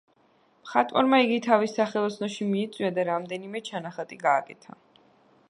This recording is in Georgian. მხატვარმა იგი თავის სახელოსნოში მიიწვია და რამდენიმე ჩანახატი გააკეთა.